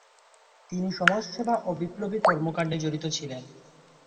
তিনি সমাজ সেবা ও বিপ্লবী কর্মকান্ডে জড়িত ছিলেন।